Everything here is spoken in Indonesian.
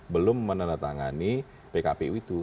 belum menandatangani pkpu itu